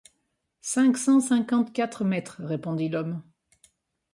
Cinq cent cinquante-quatre mètres, répondit l'homme.